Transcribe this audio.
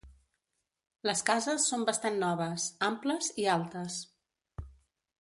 Les cases són bastant noves, amples i altes.